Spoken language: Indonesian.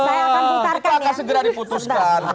itu akan segera diputuskan